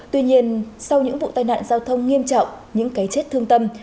tuy nhiên sau những vụ tai nạn giao thông nghiêm trọng những cái chết thương tâm